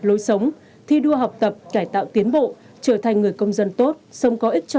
lối sống thi đua học tập cải tạo tiến bộ trở thành người công dân tốt sống có ích cho gia đình và xã hội